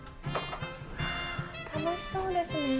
うわ楽しそうですね。